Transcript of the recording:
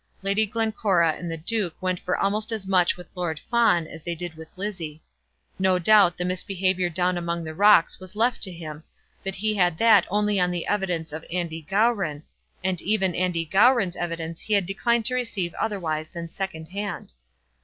Lady Glencora and the duke went for almost as much with Lord Fawn as they did with Lizzie. No doubt the misbehaviour down among the rocks was left to him; but he had that only on the evidence of Andy Gowran, and even Andy Gowran's evidence he had declined to receive otherwise than second hand.